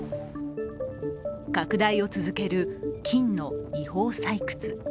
拡大を続ける金の違法採掘。